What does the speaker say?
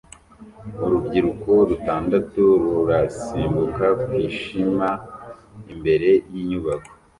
Urubyiruko rutandatu rurasimbuka kwishima imbere yinyubako